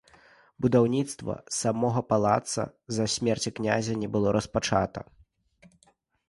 Будаўніцтва самога палаца з-за смерці князя не было распачата.